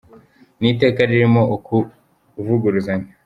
Ni iteka ririmo ukuvuguruzanya